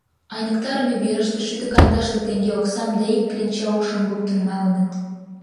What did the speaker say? — Айныктарыме верыште шӱдӧ кандашле теҥге оксам да ик кленча ошым луктын налыныт.